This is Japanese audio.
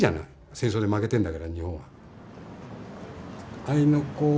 戦争で負けてんだから日本は。